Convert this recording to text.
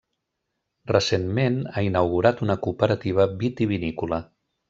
Recentment ha inaugurat una cooperativa vitivinícola.